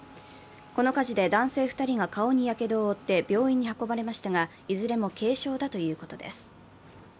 この火事で男性２人が顔にやけどを負って病院に運ばれましたが、いずれも軽傷だということです。